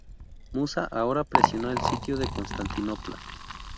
Musa ahora presionó el sitio de Constantinopla.